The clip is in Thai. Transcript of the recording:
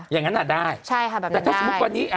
อย่างนั้นน่ะได้แต่ถ้าสมมติวันนี้